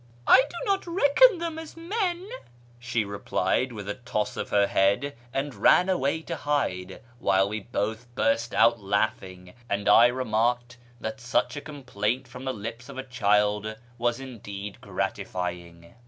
" I do not reckon them as men," she replied, with a toss of her head, and ran away to hide, while we both burst out laughing, and I remarked that such a compliment from the lips of a child was indeed gratifying.